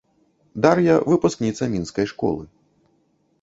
Дар'я, выпускніца мінскай школы.